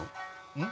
うん？